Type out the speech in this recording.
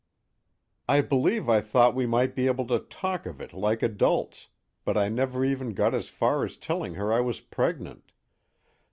_ _I believe I thought we might be able to talk of it like adults, but I never even got as far as telling her I was pregnant.